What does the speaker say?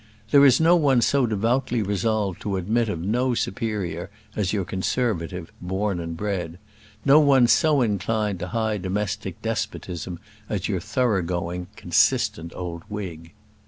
There is no one so devoutly resolved to admit of no superior as your Conservative, born and bred, no one so inclined to high domestic despotism as your thoroughgoing consistent old Whig.